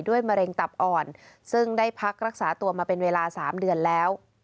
มะเร็งตับอ่อนซึ่งได้พักรักษาตัวมาเป็นเวลา๓เดือนแล้ว